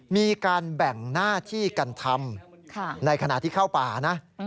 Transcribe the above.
มีการแบ่งหน้าที่กันทำในขณะที่เข้าป่านะ